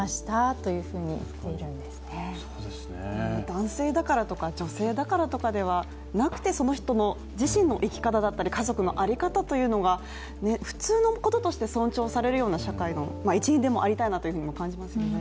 男性だからとか、女性だからとかではなくてその人自身の生き方だったり家族の在り方というものが普通のこととして尊重されるような社会の一員でもありたいと感じますね。